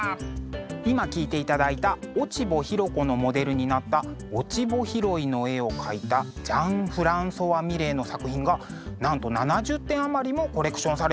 今聴いていただいた「落穂拾子」のモデルになった「落ち穂拾い」の絵を描いたジャン＝フランソワ・ミレーの作品がなんと７０点余りもコレクションされているんだそうです。